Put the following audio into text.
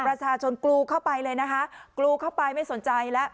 ประชาชนกรูเข้าไปเลยนะคะกรูเข้าไปไม่สนใจแล้ว